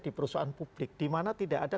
di perusahaan publik dimana tidak ada